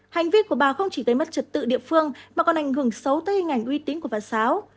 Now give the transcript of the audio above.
hành vi của bà không chỉ gây mất trật tự địa phương mà còn ảnh hưởng xấu tới hình ảnh uy tín của phật giáo